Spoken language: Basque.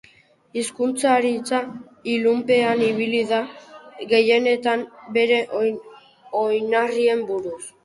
Hizkuntzalaritza ilunpetan ibili da gehienetan bere oinarriei buruz.